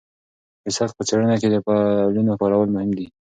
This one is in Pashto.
د سبک په څېړنه کې د فعلونو کارول مهم دي.